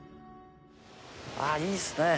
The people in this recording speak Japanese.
あぁいいっすね。